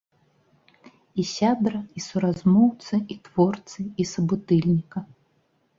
І сябра, і суразмоўцы, і творцы, і сабутыльніка.